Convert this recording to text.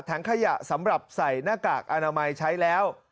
ถังขยะสำหรับใส่หน้ากากอนามัยใช้แล้ว